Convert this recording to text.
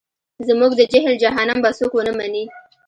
زموږ د جهل جهنم به څوک ونه مني.